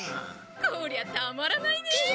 こりゃたまらないね。